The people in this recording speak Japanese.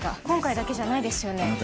今回だけじゃないですよね？